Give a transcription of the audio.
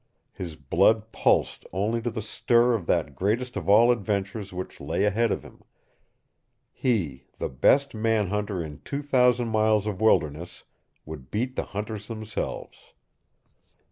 His blood pulsed only to the stir of that greatest of all adventures which lay ahead of him. He, the best man hunter in two thousand miles of wilderness, would beat the hunters themselves.